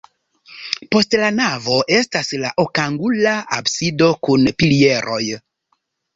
Post la navo estas la okangula absido kun pilieroj.